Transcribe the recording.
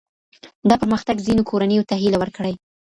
دا پرمختګ ځینو کورنیو ته هیله ورکړې.